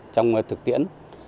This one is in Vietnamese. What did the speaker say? trong thực tiễn